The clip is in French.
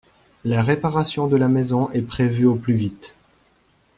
La réparation de la maison est prévue au plus vite.